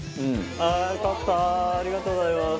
ありがとうございます！